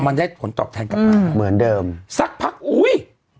มันได้ผลตอบแทนกลับมาเหมือนเดิมสักพักอุ้ย